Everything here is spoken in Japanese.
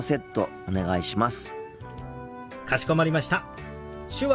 お願いします。